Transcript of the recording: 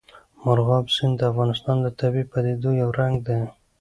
مورغاب سیند د افغانستان د طبیعي پدیدو یو رنګ دی.